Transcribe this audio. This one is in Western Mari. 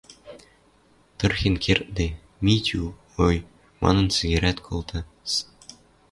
Тырхен кердде, Митю «Ой!» манын сӹгӹрӓт колта.